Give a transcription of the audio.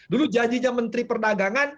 dulu janjinya menteri perdagangan